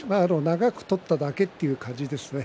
長く取っただけという感じですね。